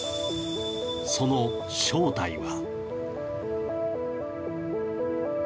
その正体は。